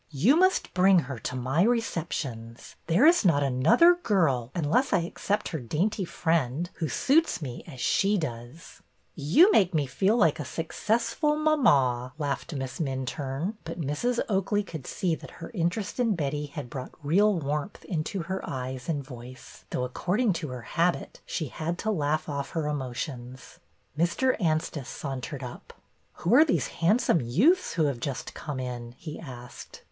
You must bring her to my receptions. There is not another girl, unless I except her dainty friend, who suits me as she does." '' You make me feel like a successful mamma," laughed Miss Minturne; but Mrs. Oakley could see that her interest in Betty had brought real warmth into her eyes and voice, though, according to her habit, she had to laugh off her emotions. Mr. Anstice sauntered up. Who are these handsome youths who have just come in? " he asked.